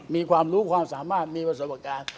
มีความรู้ความสามารถมีประสบการณ์